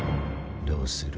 どうする？